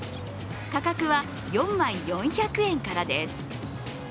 価格は４枚４００円からです。